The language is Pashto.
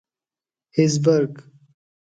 هېزبرګ.